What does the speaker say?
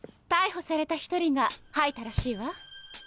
逮捕された１人が吐いたらしいわ。